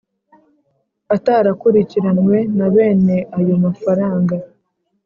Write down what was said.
atarakurikiranwe na bene ayo mafaranga.